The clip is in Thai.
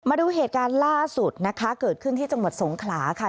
มาดูเหตุการณ์ล่าสุดนะคะเกิดขึ้นที่จังหวัดสงขลาค่ะ